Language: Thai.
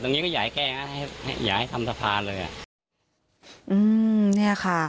ตรงนี้ก็อยากให้แก้ยังไงอยากให้ทำสะพานเลย